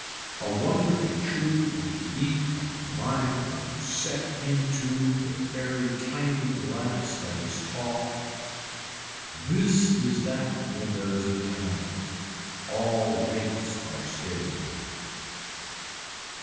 A wonder to chew and to eat and to mind and to set into the very tiny glass that is tall. This is that when there is a tenement. All weights are scales.